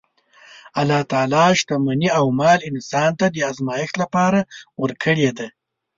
الله تعالی شتمني او مال انسان ته د ازمایښت لپاره ورکړې ده.